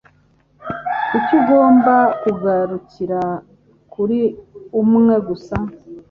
Kuki ugomba kugarukira kuri umwe gusa?